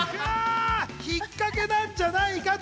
引っかけなんじゃないかと。